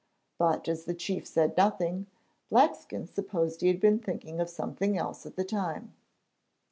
But as the chief said nothing, Blackskin supposed he had been thinking of something else at the time.